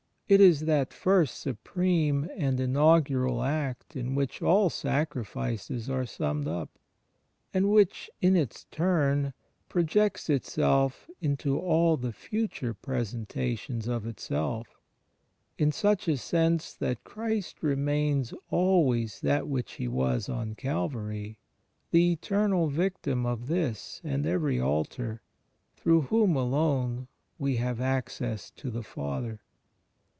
It is that first supreme and inaugural act in which all 1 John zv : 13. 'Heb. xiii : 8. 52 TEE FRIENDSHIP OF CHRIST sacrifices axe summed up, and which, in its turn, projects itself into all the future presentations of itself; in such a sense that Christ remains always that which He was on Calvary, the Eternal Victim of this and every altar, through Whom alone we "have access ... to the Father."